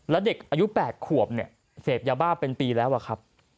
แล้วเด็กอายุ๘ขวบเนี่ยเสพยาบ้าเป็นปีแล้วอะครับ